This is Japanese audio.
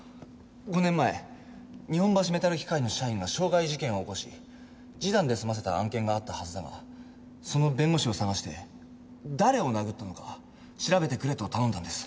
５年前日本橋メタル機械の社員が傷害事件を起こし示談で済ませた案件があったはずだがその弁護士を捜して誰を殴ったのか調べてくれと頼んだんです。